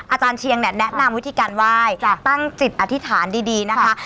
อาจารย์เชียงเนี่ยแนะนำวิธีการไหว้ตั้งจิตอธิษฐานดีนะคะ